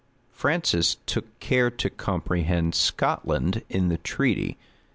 Francis took care to comprehend Scotland in the treaty.